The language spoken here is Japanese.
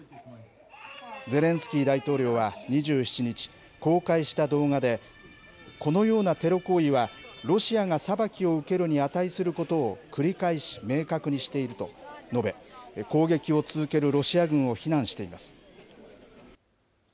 ゼレンスキー大統領は２７日、公開した動画で、このようなテロ行為はロシアが裁きを受けるに値することを繰り返し明確にしていると述べ、攻撃を続けるロシア軍を非難しています。